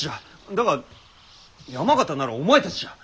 だが山県ならお前たちじゃ！